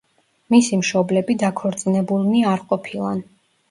მისი მშობლები დაქორწინებულნი არ ყოფილან.